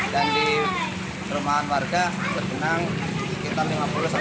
dan di rumah warga terkenang sekitar lima puluh delapan puluh cm